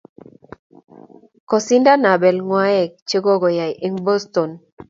kosindan Abel ngwaek che kokiyai en boston